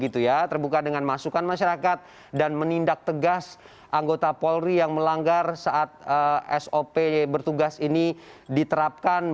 terbuka dengan masukan masyarakat dan menindak tegas anggota polri yang melanggar saat sop bertugas ini diterapkan